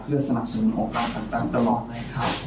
เพื่อสนับสนุนโอกาสกันตลอดให้ครับ